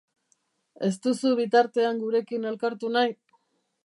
Ez duzu bitartean gurekin elkartu nahi?